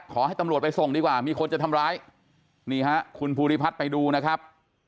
ขอให้ตำรวจไปส่งดีกว่ามีคนจะทำร้ายนี่ฮะคุณภูริพัฒน์ไปดูนะครับ